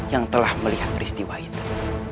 yang telah melihat peristiwa itu